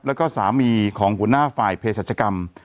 แล้วก็สามีของหัวหน้าฝ่ายเพศรัชกรรม